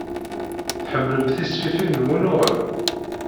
Tḥemmlem tisfifin n wunuɣen?